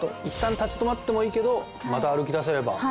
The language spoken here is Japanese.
いったん立ち止まってもいいけどまた歩き出せれば。